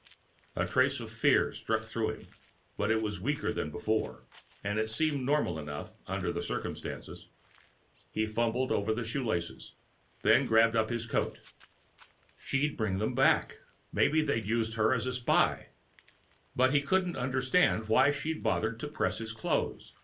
A trace of fear struck through him, but it was weaker than before, and it seemed normal enough, under the circumstances. He fumbled over the shoelaces, and then grabbed up his coat. She'd bring them back! Maybe they'd used her as a spy! But he couldn't understand why she'd bothered to press his clothes.